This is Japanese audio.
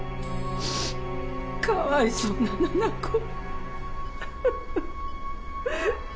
かわいそうな奈々子。